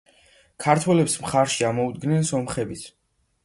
ქართველებს მხარში ამოუდგნენ სომხებიც.